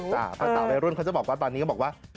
กระต่าลใบรุ่นเค้าจะบอกว่าตอนนี้คุณบอกว่า